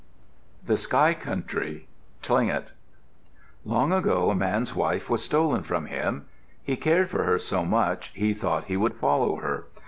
THE SKY COUNTRY Tlingit Long ago, a man's wife was stolen from him. He cared for her so much he thought he would follow her.